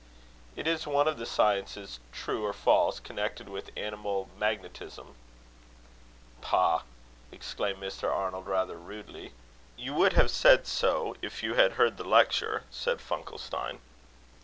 "It is one of the sciences, true or false, connected with animal magnetism." "Bah!" exclaimed Mr. Arnold, rather rudely. "You would have said so, if you had heard the lecture," said Funkelstein.